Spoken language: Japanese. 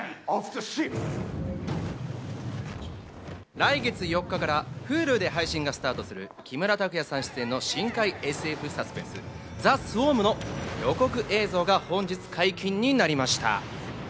来月４日からＨｕｌｕで配信がスタートする、木村拓哉さん出演の深海ＳＦサスペンス『ＴＨＥＳＷＡＲＭ／ザ・スウォーム』の予告映像が本日解禁になりました。